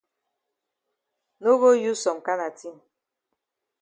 No go use some kana tin.